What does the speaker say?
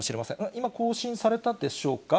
今、更新されたでしょうか。